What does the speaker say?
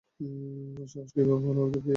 আর সাহস কীভাবে হলো ওদের ফিরে আসার!